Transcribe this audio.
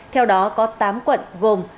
theo đó có tám quận gồm